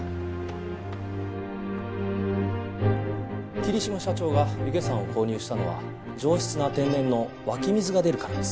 霧島社長が弓削山を購入したのは上質な天然の湧き水が出るからです。